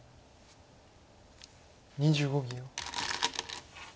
２５秒。